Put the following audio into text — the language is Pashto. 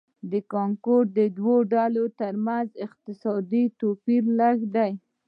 د کانګو کې د دوو ډلو ترمنځ اقتصادي توپیر لږ دی